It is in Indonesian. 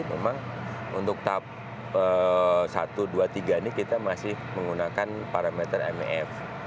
memang untuk tahap satu dua tiga ini kita masih menggunakan parameter mef